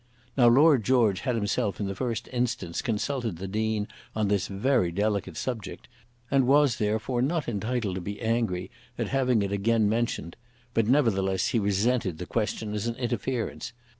Now Lord George had himself in the first instance consulted the Dean on this very delicate subject, and was therefore not entitled to be angry at having it again mentioned; but nevertheless he resented the question as an interference.